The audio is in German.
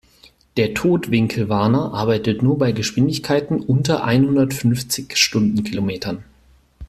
Der Totwinkelwarner arbeitet nur bei Geschwindigkeiten unter einhundertfünfzig Stundenkilometern.